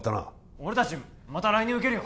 俺達また来年受けるよ！